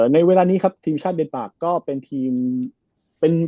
ในเวลานี้ครับทีมชาติเดนปากก็เป็นทีมเป็น